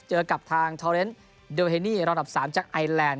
เจอกับทางทอเรนด์เดลเฮนี่ระดับ๓จากไอแลนด